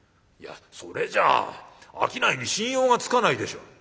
「いやそれじゃあ商いに信用がつかないでしょ」。